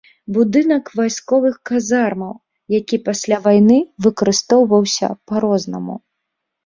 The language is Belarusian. Будынак вайсковых казармаў, які пасля вайны выкарыстоўваўся па-рознаму.